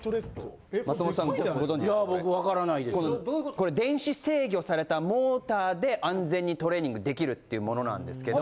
これ電子制御されたモーターで安全にトレーニングできるっていうものなんですけど。